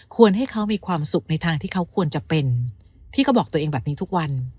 ให้เขามีความสุขในทางที่เขาควรจะเป็นพี่ก็บอกตัวเองแบบนี้ทุกวัน